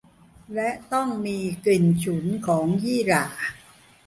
และต้องมีกลิ่นฉุนของยี่หร่า